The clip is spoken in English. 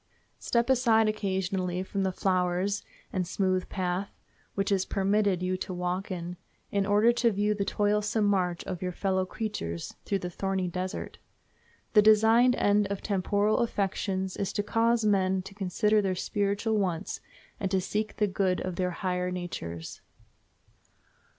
Step aside occasionally from the flowers and smooth paths which it is permitted you to walk in, in order to view the toilsome march of your fellow creatures through the thorny desert. The designed end of temporal afflictions is to cause men to consider their spiritual wants, and to seek the good of their higher natures.